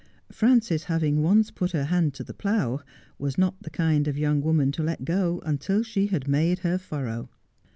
Prances having once put her hand to the plough was not the kind of young woman to let go until she had made her furrow.